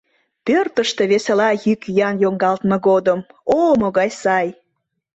Пӧртыштӧ весела йӱк-йӱан йоҥгалтме годым о могай сай!